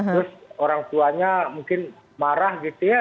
terus orang tuanya mungkin marah gitu ya